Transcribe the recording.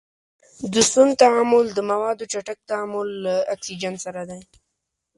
د سون تعامل د موادو چټک تعامل له اکسیجن سره دی.